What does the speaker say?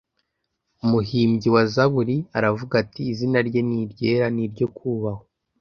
umuhimbyi wa zaburi aravuga ati izina rye ni iryera n'iryo kubahwa